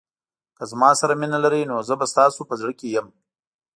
که زما سره مینه لرئ نو زه به ستاسو په زړه کې وم.